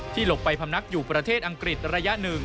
หลบไปพำนักอยู่ประเทศอังกฤษระยะ๑